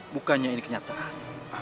bukannya ini kenyataan